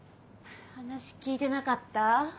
話聞いてなかった？